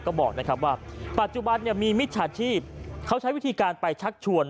ก็บอกนะครับว่าปัจจุบันมีมิจฉาชีพเขาใช้วิธีการไปชักชวน